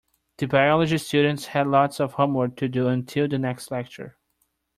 The biology students had lots of homework to do until the next lecture.